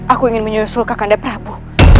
aku ingin menyusul ke kandap prabu